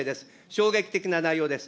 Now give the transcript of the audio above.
衝撃的な内容です。